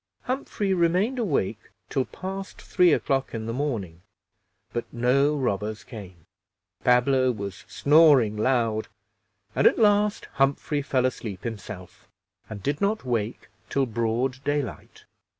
Humphrey remained awake till past three o'clock in the morning, but no robbers came. Pablo was snoring loud, and at last Humphrey fell asleep himself, and did not wake till broad daylight.